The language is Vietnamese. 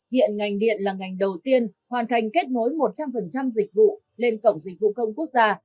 hiện ngành điện là ngành đầu tiên hoàn thành kết nối một trăm linh dịch vụ lên cổng dịch vụ công quốc gia